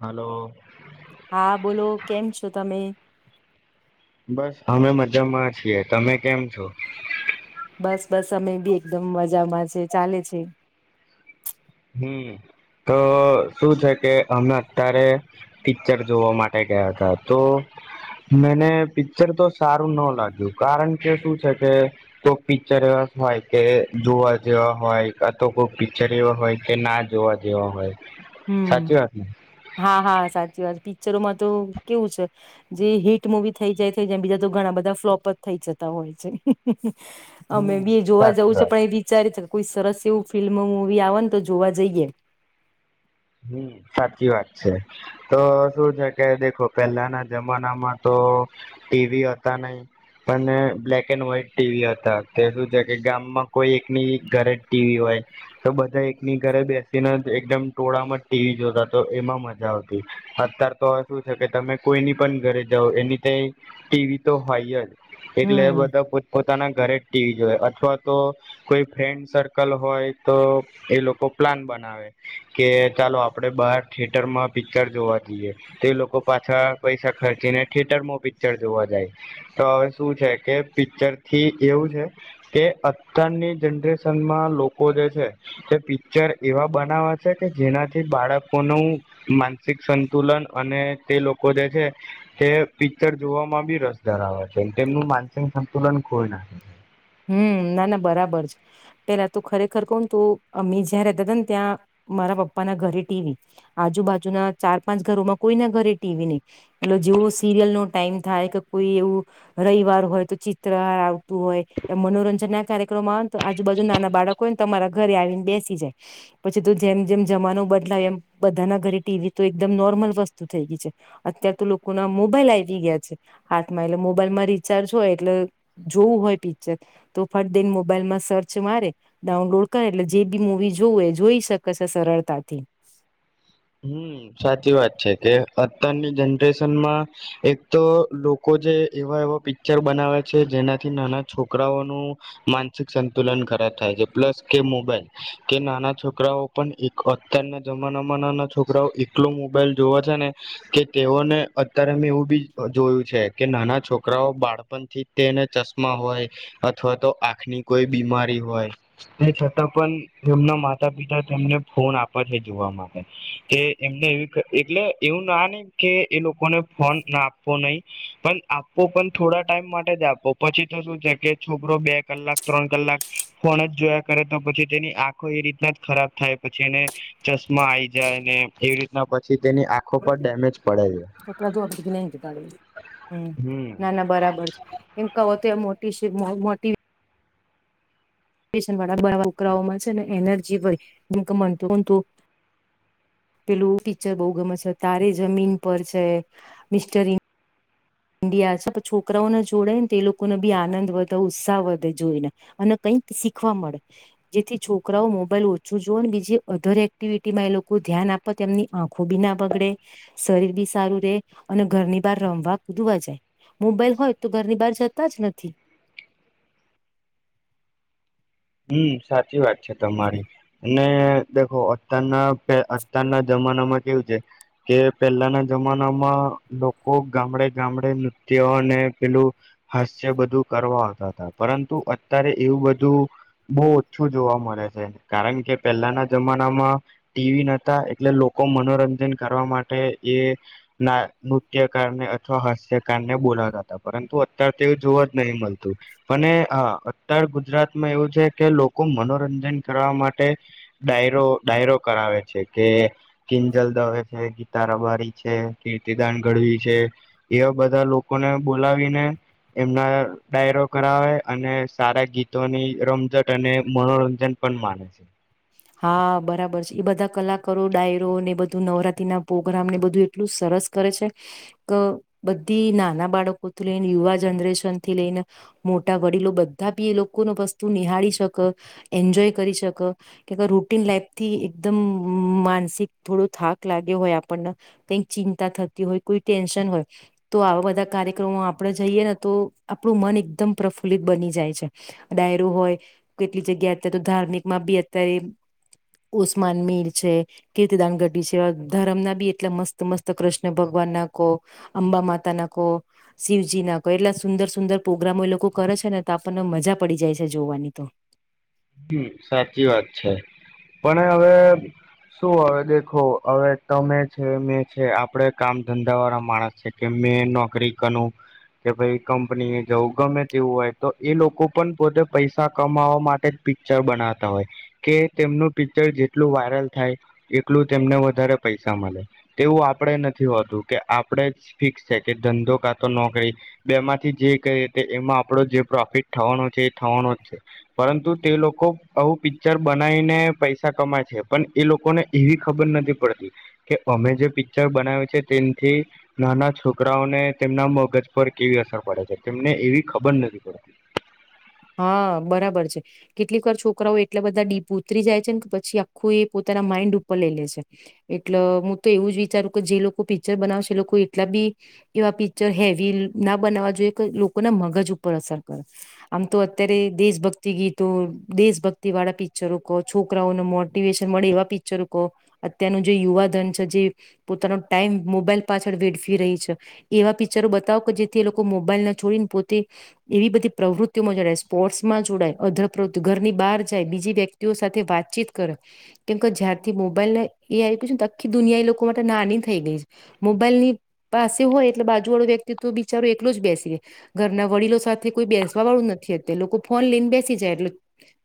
Hello હા બોલો કેમ છો તમે બસ અમે મજ્જમમાં છીએ તમે કેમ છો બસ બસ અમે બી એકદમ મજામાં છે ચાલે છે હમ તો શું છે કે અમે અત્યારે પિક્ચર જોવા માટે ગયા હતા તો મને પિક્ચર તો સારું ન લાગ્યું કારણ કે શું છે કે કોઈ પિક્ચર એવા હોય કે જોવા જેવા હોય ક તો કોઈ પિક્ચર એવા હોય તે ના જોવા જેવા હોય હમ સાચી વાત ને હા હા સાચી વાત ી પિક્ચરોમાં તો કેવું છે જે હિટ મુવી થઇ જાય છે બીજા તો ઘણા બધા ફ્લોપઅપ થઇ જતા હોય છે અમે હમ બી જોવા સાચી જવું છે વાત પણ એ વિચારી શક કોઈ સરસ એવું ફિલ્મ મુૂવી આવેને તો જોવા જઈએ હમ સાચી વાત છે તો શું છે કે દેખો પહેલાના જમાનામાં તો ટીવી હતા નહ પણ બ્લેક એન્ડ વ્હાઈટ ટીવી હતા તે શું છે કે ગામમાં કોઈ એકની ઘરે જ ટીવી હોય તો બધા એકની ઘરે બેસીને જ એકદમ ટોળામાં જ ટીવી જોતા તો એમાં મજા આવતી અત્યાર તો હવે શું છે કે તમે કોઈની પણ ઘરે જાઓ એની તો ટીવી તો હોય જ એટલે એ હમ બધા પોતાના ઘરે જ ટીવી જોય અથવા તો કોઈ ફ્રેન્ડ સર્કલ હોય તો એ લોકો પ્લાન બનાવે કે ચાલો આપડે બહાર થિયટર માં પિક્ચર જોવા જઈએ તો લોકો પાછા પૈસા ખર્ચીને થિયેટરમાં પિક્ચર જોવા જાય તો હવે શું છે કે પિક્ચર થી એવું છે કે અત્યારની જનરેશનમાં લોકો જે છે તે પિક્ચર એવા બનાવા કે જેનાથી બાળકોનુંું માનસિક સંતુલન અને તે લોકો જે છે તે પિક્ચર જોવામાં બી રસ ધરાવે છે તેમનું માનસિક સંતુલન ખઈ નાખ છે હમ ના ના બરાબર છે પેલા તો ખરેખર કહ તોું અમે જ્યાં રહેતા હતા ને ત્યાં મારા પપ્પા ના ઘરે ટીવી આજુબાજુ ના ચાર પાંચ ઘરોમાં કોઈના ઘરે ટીવી નહી એટલે જેવો સિરિયલ નો ટાઈમ થાય કે કોઈ એવું રવિવાર હોય તો ચિત્ર આવતું હોય એ મનોરંજન ના કાર્યક્રમો આવેય ને તો આજુબાજુ નાના બાળકો હોય ને તમારા ઘરે આવીને બેસી જાય પછી તો જેમ જેમ જમાનો બદલાવે એમ બધાના ઘરે ટીવી તો એકદમ નોર્મલ વસ્તુ થઈ ગઈ છે અત્યાર તો લોકો ના મોબાઈલ આવી ગયા છે હાથમાં એટલે મોબાઈલમાં રિચાર્જ હોય એટલે જોવું હોય પી તો ફરદેન મોબાઈલમાં સર્ચ મારે ડાઉનલોડ કરે એટલે જે બી મુવી જોવું એ જોઈ શકે છે સરળતાથી હમ સાચી વાત છે કે અત્યારની જનરેશનમાં એક તો લોકો જે એવા એવા પિક્ચર બનાવે છે જેનાથી નાના છોકરાઓનું માનસિક સંતુલન ખરાબ થાય છે પ્લસ કે મોબાઈલ કે નાના છોકરાઓ પણ અત્યારના જમાનામાં ના છોકરાઓ એટલો મોબાઈલ જોવા છે ને કે તેઓને અત્યારે મેં એવું બી જોયું છે કે નાના છોકરાઓ બાળપણ થી તેને ચશ્મા હોય અથવા તો આંખની કોઈ બીમારી હોય તે છતાં પણ એમના માતા પિતા તેમને ફોન આપે છે જોવા માટે કે એમને એવી એટલે એવું ના ને કે એ લોકો કોને ફોન ના આપવો નહી પણ આપો પણ થોડા ટાઈમ માટે જ આપો પછી તો શું છે કે છોકરો બે કલાક ત્રણ કલાક કોણ જ જોયા કરે તો પછી તેની આંખો એ રીતના જ ખરાબ થાય પછી એને ચશ્મા આઈ જાય ને એવી રીતના પછી તેની આંખો પર ડેમેજ પડે છે કપડા ધોવા બધી [unintelligible] હમ્મ હમ ના-ના બરાબર છે. એમ અત્યા મો [inaudible] પિશનવા [unintelligible] છે ને એને [unintelligible] પેલું પીચર બહુ ગમે છે તારે જમીન પર છે, મિસ્ટર ઈન્ ઇન્ડીયા છે. આ છોકરાઓને જોડે તે એ લોકોને બી આનંદ વધે, ઉત્સાહ વધે જોઈને, અને કંઈક શીખવા મળે. જેથી છોકરાઓ મોબાઈલ ઓછું જોવે અને બીજી અધર એક્ટિવિટીમાં એ લોકો ધ્યાન આપે. તેમની આંખો બી ના બગડે, શરીર બી સારું રે અને ઘરની બહાર રમવા દુવા જાય. મોબાઈલ હોય તો ઘરની બહાર જતા જ નથી. હમ્મ સાચી વાત છે તમારી. ને દેખો અત્યારના કે અત્યારના જમાનામાં કેવું છે કે પેલાના જમાનામાં લોકો ગામડે-ગામડે નૃત્યોને પેલું હાસ્ય બધું કરવા આવતા તા, પરંતુ અતારે એવું બધું બહું ઓછું જોવા મળે છે, કારણ કે પહેલાના જમાનામાં ટીવી નતા એટલે લોકો મનોરંજન કરવા માટે એ ના નૃત્યકારને અથવા હાસ્યકારને બોલાવતા તા, પરંતુ અત્યાર તો જોવા જ નહીં મલતું, અને અહ અતર ગુજરાતમાં એવું છે કે લોકો મનોરંજન કરવા માટે ડાયરો-ડાયરો કરાવે છે, કે કિંજલ દવે છે, ગીતા રબારી છે, કીર્તિદાન ગઢવી છે એવા બધા લોકોને બોલાવીને એમના ડાયરો કરાવે અને સારા ગીતોની રમજટ અને મનોરંજન પણ માણે છે. હા બરાબર છે. એ બધા કલાકારો ડાયરો ને એ બધું નવરાત્રી ના પોગ્રામને બધું એટલું સરસ કરે છે, ક બધી નાના બાળકોથી લઈને યુવા જનરેશન થી લઈને મોટા વડીલો બધા બી એ લોકોનો વસ્તુ નિહાળી શક, એન્જોય કરી શક કે ભઈ રૂટીન લાઈફથી એકદમ મમ માનસિક થોડો થાક લાગ્યો હોય આપણને, કંઈક ચિંતા થતી હોય, કોઈ ટેન્શન હોય, તો આવા બધા કાર્યક્રમો આપણે જઈએ ને તો આપણું મન એકદમ પ્રફુલ્લિત બની જાય છે. ડાયરો હોય કેટલીક જગ્યા અત્યારે તો ધાર્મિકમાં બી કરે, ઉસ્માન મીર છે, કીર્તિદાન ગઢડી છે, ધરમના બી એટલા મસ્ત-મસ્ત કૃષ્ણ ભગવાન ના કહો, અંબા માતા ના કહો, શિવજી ના, એટલા સુંદર-સુંદર પોગ્રામો એ લોકો કરે છે ને તો આપણને મજા પડી જાય છે જોવાની તો. હમ્મ સાચી વાત છે. પણ હવે શું હવે દેખો હવે તમે છે, મેં છે, આપણે કામ ધંધા વાળા માણસ છે, કે મેં નોકરી કરું કે ભઈ કંપની એ જવું ગમે તેવું હોય તો એ લોકો પણ પોતે પૈસા કમાવા માટે પિક્ચર બનાવતા હોય, કે તેમનું પિક્ચર જેટલું વાયરલ થાય એટલું તેમને વધારે પૈસા મલે. તેવું આપણે નથી હોતું કે આપણે જ ફિક્સ છે કે ધંધો કાતો નોકરી, બેમાંથી જે ક તે એમાં આપણો જે પ્રોફિટ થવાનો છે એ થવાનો જ છે, પરંતુ તે લોકો આવું પિક્ચર બનાવીને પૈસા કમાય છે. પણ એ લોકોને એવી ખબર નથી પડતી કે અમે જે પિક્ચર બનાવ્યું છે તેથી નાના છોકરાઓને તેમના મગજ પર કેવી અસર પડે છે, તેમને એવી ખબર નથી પડતી. હા બરાબર છે. કેટલીક વાર છોકરાઓ એટલા બધા ડીપ ઉતરી જાય છેને કે પછી આખું એ પોતાના માઇન્ડ ઉપર લઈ લે છે, એટલ હું તો એવું જ વિચારું કે જે લોકો પિક્ચર બનાવશે એ લોકો એટલા બી એવા પિક્ચર હેવી ના બનાવવા જોઈએ કે લોકોના મગજ ઉપર અસર કરે. આમ તો અત્યારે દેશભક્તિ ગીતો, દેશભક્તિ વાળા પિક્ચરો કહો, છોકરાઓને મોટિવેશન મળે એવા પિક્ચરો કહો, અત્યારનું જે યુવાધન છે જે પોતાનો ટાઈમ મોબાઈલ પાછળ વેડફી રહી છે, એવા પિક્ચરો બતાવો કે જેથી એ લોકો મોબાઈલ ના છોડીને પોતે એવી બધી પ્રવૃત તિમાં જોડાય, સ્પોર્ટ્સમાં જોડાય, અધપ્રવૃતિ, ઘરની બહાર જાય, બીજી વ્યક્તિઓ સાથે વાતચીત કરે, કેમકે જ્યારથી મોબાઈલને એ આવી છે, આખી દુનિયા એ લોકો માટે નાની થઈ ગઈ છે. મોબાઈલ ની પાસે હોય એટલે બાજુ વાળું વ્યક્તિત્વ તો બિચારો એકલો જ બેસી રહે. ઘરના વડીલો સાથે કોઈ બેસ વાવાળું નથી અત્યારે, લોકો ફોન લઈને બેસી જાય એટલે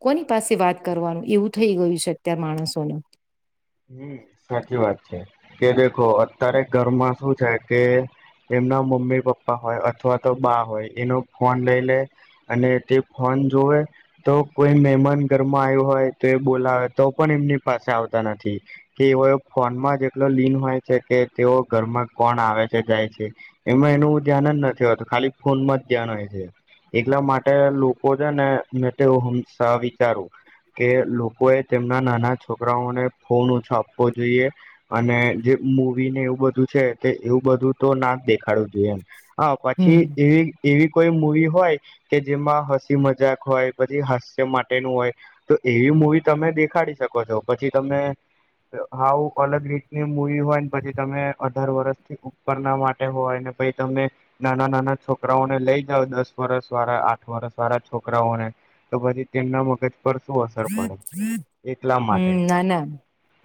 કોની પાસે વાત કરવાનું એવું થઈ ગયેલું છે અત્યારે માણસોને. હમ્મ સાચી વાત છે, કે દેખો અત્યારે ઘરમાં શું છે કે એમના મમ્મી પપ્પા હોય અથવા તો બા હોય એનો ફોન લઈ લે, અને તે ફોન જોવે તો કોઈ મહેમાન ઘરમાં આયું હોય તે બોલાવે તો પણ એમની પાસે આવતા નથી. કે એવો ફોનમાં જ એટલો લીન હોય કે કે તેઓ ઘરમાં કોણ આવે છે, જાય છે, એમાં એનું ધ્યાન જ નથી હોતું. ખાલી ફોનમાં જ ધ્યાન હોય છે. એટલા માટે લોકો છે ને [unintelligible] વિચારું કે લોકો એ તેમના નાના છોકરાઓને ફોન ઓછો આપવો જોઈએ, અને જે મૂવી ને એવું બધું છે તે એવું બધું તો ના જ દેખાડવું જોઈ એમ. હા પછી હમ એવી-એવી કોઈ મુવી હોય કે જેમાં હસી મજાક હોય, પછી હાસ્ય માટેનું હોય, તો એવી મુવી તમે દેખાડી શકો છો. પછી તમે અહ આવું અલગ રીતની મુવી હોય ને પછી તમે અઢાર વરસથી ઉપરના માટે હોય ને પહી તમે નાના-નાના છોકરાઓને લઈ જાવ, દસ વરસ વાળા, આઠ વરસ વાળા છોકરાઓને તો પછી તેમના મગજ પર શું અસર પડે એટલા માટે હમ્મ ના, ના.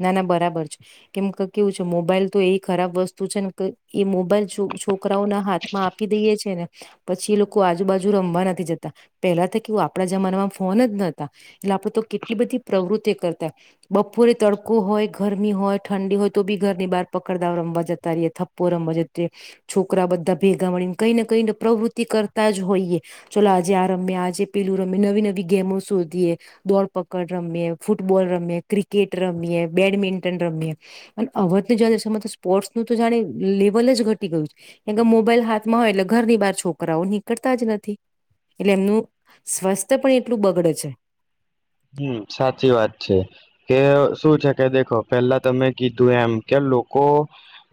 ના, ના બરાબર છે. કેમ કે કેવું છે મોબાઈલ તો એ ખરાબ વસ્તુ છે ને ક એ મોબાઈલ છો છુ છોકરાઓના હાથમાં આપી દઈએ છી છે ને પછી એ લોકો આજુબાજુ રમવા નથી જતા. પેલા તો કેવું આપડા જમાનામાં ફોન જ નતા. એટલે આપડે તો કેટલી બધી પ્રવૃત્તિ કરતા, બપોરે તડકો હોય, ઘરમી હોય, ઠંડી હોય તો બી ઘરની બહાર પકડ દાલ રમવા જતા રયે, થપ્પો રમવા જતે, છોકરા બધા ભેગા મળીને કઈ ને કઈ ને પ્રવૃત્તિ કરતા જ હોઈએ, ચલો આજે આ રમીએ, આજે પેલું રમીએ, નવી-નવી ગેમો શોધીએ. દોડપકડ રમીએ, ફૂટબોલ રમીએ, ક્રિકેટ રમીએ, બેડમિન્ટન રમીએ, અને [unintelligible] તો સ્પોર્ટ્સ નું તો જાણે લેવલ જ ઘટી ગયું છે, કેમ કે મોબાઈલ હાથમાં હોય એટલે ઘરની બાર છોકરાઓ નીકળતા જ નથી, એટલે એમનું સ્વાસ્થ્ય પણ એટલું બગડે છે. હમ્મ સાચી વાત છે. કે શું છે કે દેખો પેલા તમે કીધું એમ કે લોકો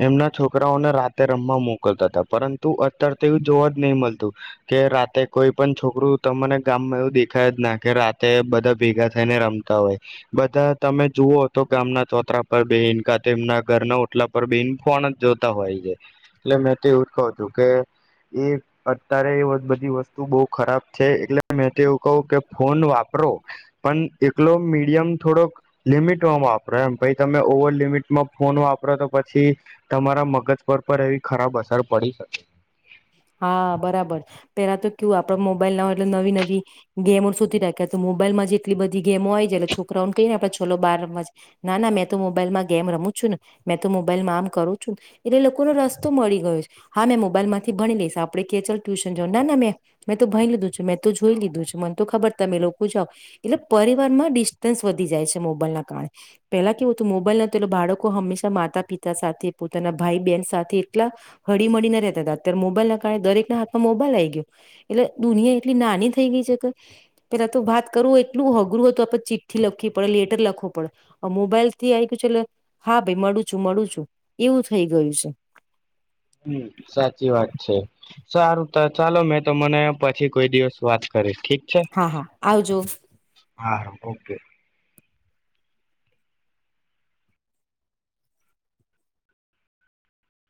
એમના છોકરાઓને રાતે રમવા મોકલતા તા, પરંતુ અત્યાર તો એવું જોવા જ નહી મલતું, કે રાતે કોઈ પણ છોકરું તમને ગામમાં એવું દેખાય જ ના કે રાતે બધા ભેગા થઈને રમતા હોય, બધા તમે જુઓ તો કે ગામના ચોતરા પર બેહીન કાં તેમના ઘરના ઓટલા પર બેહીન ફોન જ જોતા હોય છે, એટલે મેં તો એવું જ કહું છું કે એ અત્યારે એ વસ બધી વસ્તુ બહું ખરાબ છે, એટલે મે તો એવું કહું કે ફોન વાપરો પણ એટલો મીડિયમ થોડોક લિમિટમાં વાપરો એમ, પહી તમે ઓવર લિમિટમાં ફોન વાપરો તો પછી તમારા મગજ પર પણ એવી ખરાબ અસર પડી શકે. હા બરાબર. પેલા તો કેવું આપડે મોબાઈલ ના હોય એટલે નવી-નવી ગેમો સુધી રાખ્યા તો મોબાઈલમાં જેટલી બધી ગેમો હોય છે એટલે છોકરાઓને કહીને આપડે ચલો બહાર રમવા જઈ, ના, ના મેં તો મોબાઈલમાં ગેમ રમું છું ને, મેં તો મોબાઈલમાં આમ કરું છું, એટલે લોકોનો રસ્તો મળી ગયો છે. હા મેં મોબાઈલમાંથી ભણી લઈશ. આપડે કે ચાલ ટ્યુશન જાવાનું, ના, ના મેં મેં તો ભણી લીધું છે, મેં તો જોઈ લીધું છે, મને તો ખબર તમે લોકો જાઓ, એટલે પરિવાર માં ડિસ્ટન્સ વધી જાય છે મોબાઈલ ના કારણે. પેલા કેવું હતું મોબાઈલ નતા એ બાળકો હંમેશા માતા પિતા સાથે પોતાના ભાઈ બહેન સાથે એટલા હળીમળીને રહેતા તા અત્યારે મોબાઈલ ના કારણે દરેક ના હાથમાં મોબાઈલ આઈ ગયો, એટલે દુનિયા એટલી નાની થઈ ગઈ છે કે પેલા તો વાત કરવું એટલું અઘરું હતું. આપણે ચીઠ્ઠી લખવી પડે, લેટર લખવો પડો. હવે મોબાઈલ થી આઈથી તો ચલો હા ભાઈ મળું છું-મળું છું એવું થઈ ગયું છે. હમ સાચી વાત છે. સારું તો ચાલો મેં તો મને પછી કોઈ દિવસ વાત કરીશ. ઠીક છે હા-હા આવજો. હા ઓકે